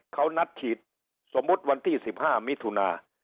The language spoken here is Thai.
เขานัดฉีดสมมุติวันที่๑๕มิถุนา